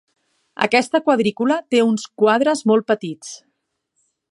Aquesta quadrícula té uns quadres molt petits.